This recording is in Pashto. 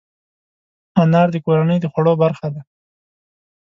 انار د کورنۍ د خوړو برخه ده.